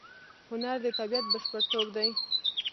هنر د طبیعت بشپړتوب دی.